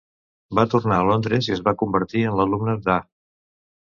Va tornar a Londres i es va convertir en alumne d"A.